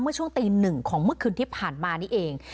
เมื่อช่วงตีหนึ่งของเมื่อคืนที่ผ่านมานี่เอง